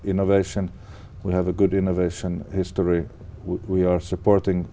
khoảng một năm trước